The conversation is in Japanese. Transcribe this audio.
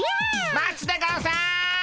待つでゴンス！